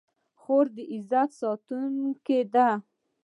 خور د عزت ساتونکې ده.